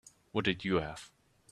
What did you have?